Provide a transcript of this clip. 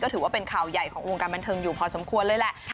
ถือว่าเป็นข่าวใหญ่ของวงการบันเทิงอยู่พอสมควรเลยแหละ